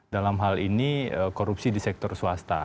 dalam hal ini korupsi di sektor swasta